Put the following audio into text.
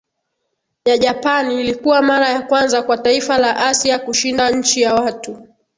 ya Japani Ilikuwa mara ya kwanza kwa taifa la Asia kushinda nchi ya watu